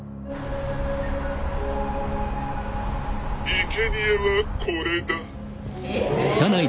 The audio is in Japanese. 「いけにえはこれだ」。